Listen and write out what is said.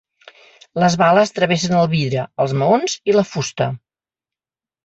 Les bales travessen el vidre, els maons i la fusta.